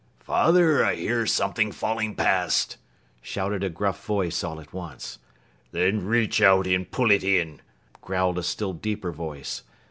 "Father, I hear something falling past!" shouted a gruff voice all at once. "Then reach out and pull it in," growled a still deeper voice.